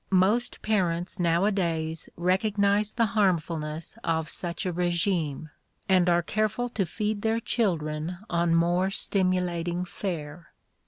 Most parents nowadays recognize the harmfulness of such a régime, and are careful to feed their children on more stimulating fare.